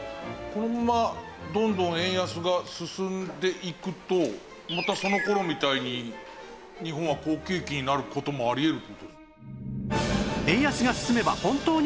このままどんどん円安が進んでいくとまたその頃みたいに日本は好景気になる事もあり得る？